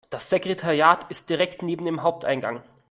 Das Sekretariat ist direkt neben dem Haupteingang.